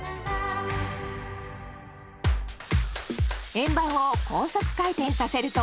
円盤を高速回転させると。